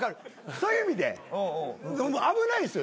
そういう意味で危ないんですよ。